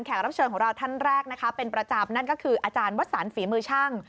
ท่านแรกเป็นประจำนั้นก็คืออาจารย์วัฒนฝีมือช่าง